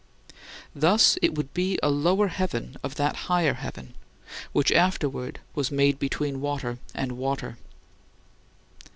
Thus it would be a [lower] heaven of that [higher] heaven, which afterward was made between water and water.